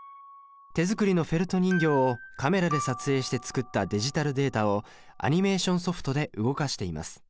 手作りのフェルト人形をカメラで撮影して作ったディジタルデータをアニメーションソフトで動かしています。